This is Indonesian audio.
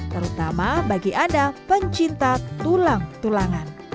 terutama bagi anda pencinta tulang tulangan